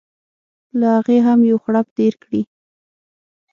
له هغې هم یو خرپ تېر کړي.